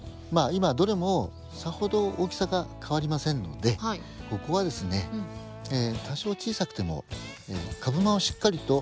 今どれもさほど大きさが変わりませんのでここはですねするとですね